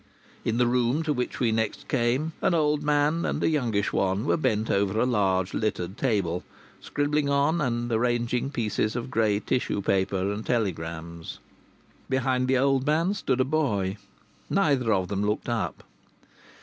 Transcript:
In the room to which we next came an old man and a youngish one were bent over a large, littered table, scribbling on and arranging pieces of grey tissue paper and telegrams. Behind the old man stood a boy. Neither of them looked up.